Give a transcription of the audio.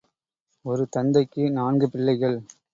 ஒரு தந்தைக்கு நான்கு பிள்ளைகள்.